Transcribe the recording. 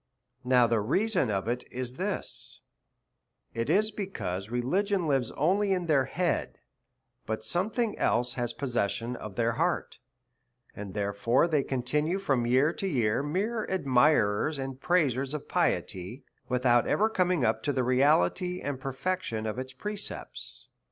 Now the reason of it is this : it is because religion lives only in their head, but something else has pos session of their hearts : and therefore they continue from year to year, mere admirers and praisers of piety, without ever coming up to the reality and perfection of its precepts.